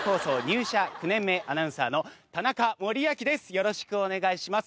よろしくお願いします。